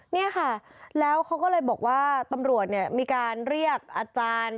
เนี่ยค่ะแล้วเขาก็เลยบอกว่าตำรวจเนี่ยมีการเรียกอาจารย์